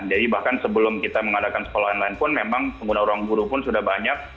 jadi bahkan sebelum kita mengadakan sekolah online pun memang pengguna ruang guru pun sudah banyak